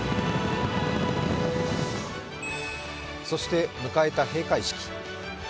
そして迎えた閉会式。